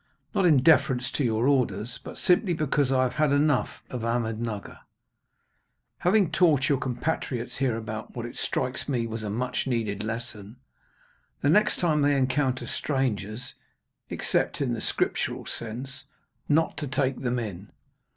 Not in deference to your orders, but simply because I have had enough of Ahmednugger, having taught your compatriots hereabouts what, it strikes me, was a much needed lesson the next time they encounter strangers, except in the scriptural sense not to take them in."